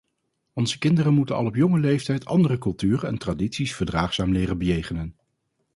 Onze kinderen moeten al op jonge leeftijd andere culturen en tradities verdraagzaam leren bejegenen.